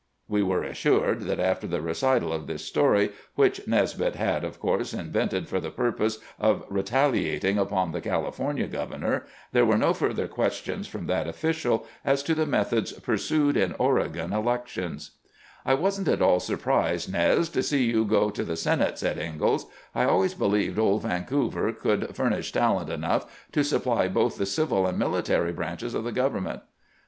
" We were assured that after the recital of this story, which Nesmith had, of course, invented for the purpose of retaliating upon the California governor, there were no further questions from that official as to the methods pursued in Oregon elections, " I was n't at all surprised, Nes, to see you go to the Senate," said IngaUs ;" I always believed old Vancouver could furnish talent enough to supply both the civil and military branches of the government."